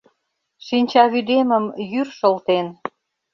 Шинчавÿдемым йÿр шылтен.